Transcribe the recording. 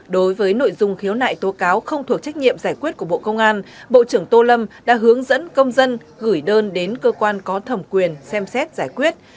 đối với nội dung khiếu nại tố cáo không thuộc trách nhiệm giải quyết của bộ công an bộ trưởng tô lâm đã hướng dẫn công dân gửi đơn đến cơ quan có thẩm quyền xem xét giải quyết